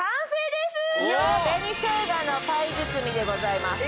紅しょうがのパイ包みでございます。